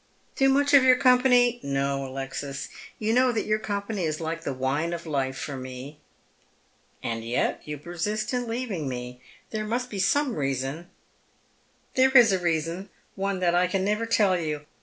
" Too much of your company — no, Alexis. You know that your company is like the wine of life for me." " And yet you persist in leaving me. There must be some reason." "There is a reason — one that I can never tell you.